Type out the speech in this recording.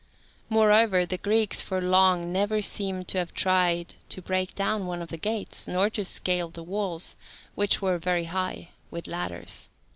Moreover, the Greeks for long never seem to have tried to break down one of the gates, nor to scale the walls, which were very high, with ladders.